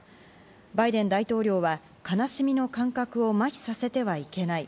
バイデン大統領は、悲しみの感覚を麻痺させてはいけない。